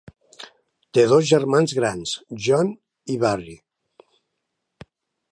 Té dos germans grans, John i Barry.